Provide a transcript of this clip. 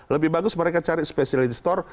lebih bagus mereka cari special store